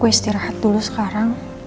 gue istirahat dulu sekarang